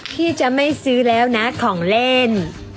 พี่จะไม่ซื้อแล้วนะของเล่น